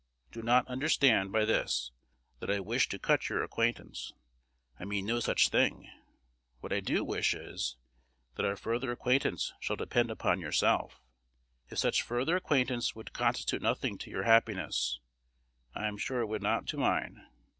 Do not understand by this that I wish to cut your acquaintance. I mean no such thing. What I do wish is, that our further acquaintance shall depend upon yourself. If such further acquaintance would constitute nothing to your happiness, I am sure it would not to mine.